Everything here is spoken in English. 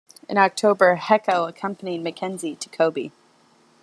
In October, Heco accompanied Mackenzie to Kobe.